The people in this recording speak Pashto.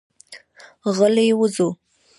غلي وځو.